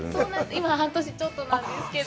今、半年ちょっとなんですけど。